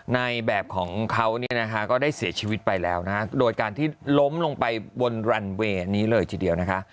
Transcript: ในแบบของเขาเนี่ยนะคะก็ได้เสียชีวิตไปแล้วนะโดยการที่ล้มลงไปบนรันเวย์นี้เลยทีเดียวนะคะ